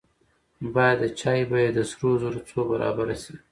باید د چای بیه د سرو زرو څو برابره شي.